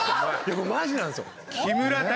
これマジなんですよ。